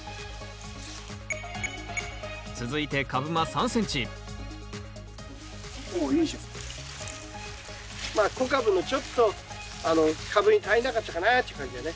続いて株間３ｃｍまだ小カブのちょっとカブに足りなかったかなっていう感じだね。